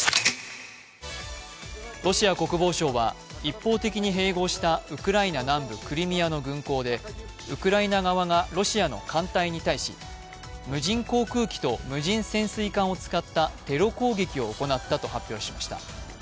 ロシア国防省は一方的に併合したウクライナ南部クリミアの軍港でウクライナ側がロシアの艦船に対し無人航空機と無人潜水艦を使ったテロ攻撃を行ったと発表しました。